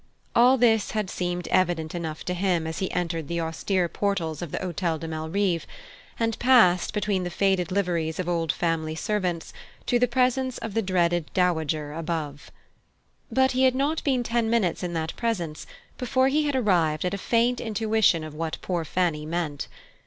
All this had seemed evident enough to him as he entered the austere portals of the Hotel de Malrive and passed, between the faded liveries of old family servants, to the presence of the dreaded dowager above. But he had not been ten minutes in that presence before he had arrived at a faint intuition of what poor Fanny meant.